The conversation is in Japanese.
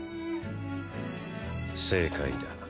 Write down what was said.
正解だ。